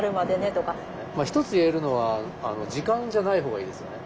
一つ言えるのは時間じゃない方がいいですよね。